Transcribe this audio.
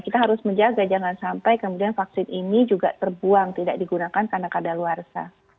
kita harus menjaga jangan sampai kemudian vaksin ini juga terbuang tidak digunakan karena keadaan luar sah